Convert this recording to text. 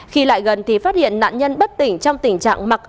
khi lại gần thì phát hiện nạn nhân bất tỉnh trong tình trạng mặc